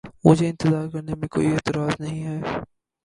مجھے اِنتظار کرنے میں کوئی اعتراض نہیں ہے۔